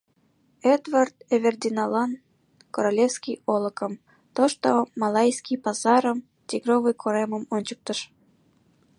Эдвард Эвердиналан Королевский Олыкым, Тошто малайский пазарым, тигровый коремым ончыктыш.